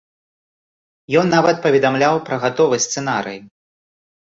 Ён нават паведамляў пра гатовы сцэнарый.